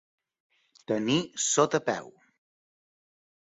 Tenir sota peu.